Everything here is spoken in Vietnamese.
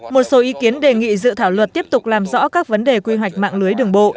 một số ý kiến đề nghị dự thảo luật tiếp tục làm rõ các vấn đề quy hoạch mạng lưới đường bộ